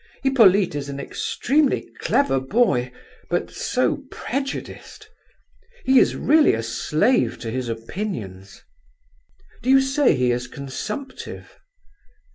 Hippolyte is an extremely clever boy, but so prejudiced. He is really a slave to his opinions." "Do you say he is consumptive?"